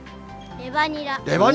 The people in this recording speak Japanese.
レバニラ？